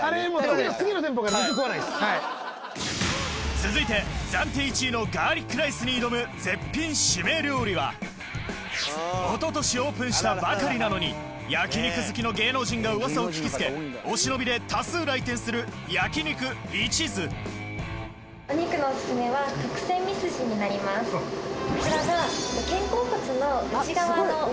続いて暫定１位のガーリックライスに挑む絶品シメ料理は一昨年オープンしたばかりなのに焼肉好きの芸能人がうわさを聞き付けお忍びで多数来店する焼肉一途こちらが。